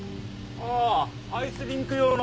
ああアイスリンク用の。